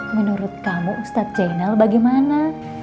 menurut kamu ustaz zainal bagaimana